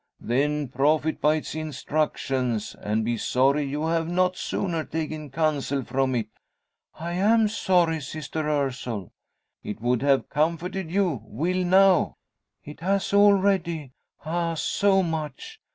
"Then profit by its instructions; and be sorry you have not sooner taken counsel from it." "I am sorry, sister Ursule." "It would have comforted you will now." "It has already. Ah! so much!